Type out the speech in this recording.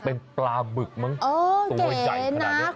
เป็นปลาบึกมั้งตัวใหญ่ขนาดนี้